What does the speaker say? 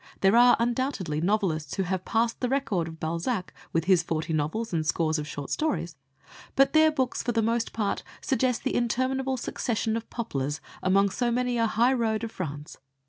There are, undoubtedly, novelists who have passed the record of Balzac with his forty novels and scores of short stories, but their books for the most part suggest the interminable succession of poplars along so many a high road of France.